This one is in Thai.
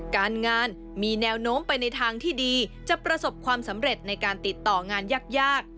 การงานมีแนวโน้มไปในทางที่ดีจะประสบความสำเร็จในการติดต่องานยาก